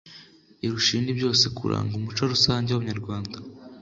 irusha ibindi byose kuranga umuco rusange w'a banyarwanda